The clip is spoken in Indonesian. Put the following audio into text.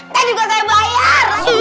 nanti gue tanya bayar